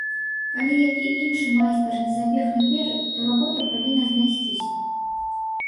Калі які іншы майстар не забег наперад, то работа павінна знайсціся.